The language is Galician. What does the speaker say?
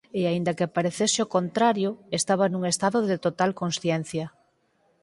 E aínda que parecese o contrario, estaba nun estado de total consciencia.